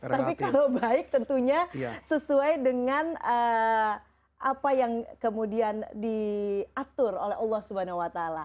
tapi kalau baik tentunya sesuai dengan apa yang kemudian diatur oleh allah swt